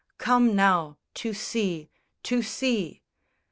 Come now, to sea, to sea!"